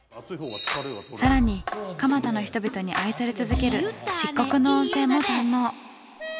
更に蒲田の人々に愛され続ける漆黒の温泉も堪能。